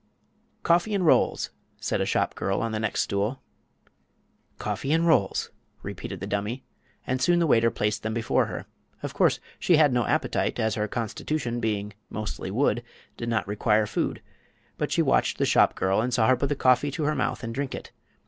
"Coffee 'n' rolls!" said a shop girl on the next stool. "Coffee 'n' rolls!" repeated the dummy, and soon the waiter placed them before her. Of course she had no appetite, as her constitution, being mostly wood, did not require food; but she watched the shop girl, and saw her put the coffee to her mouth and drink it.